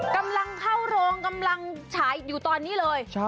กำลังเข้าโรงกำลังฉายอยู่ตอนนี้เลย